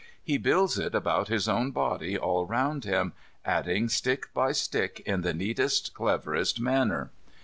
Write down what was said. He builds it about his own body all round him, adding stick by stick in the neatest, cleverest manner.